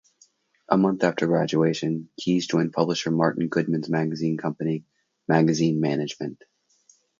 A month after graduation, Keyes joined publisher Martin Goodman's magazine company, Magazine Management.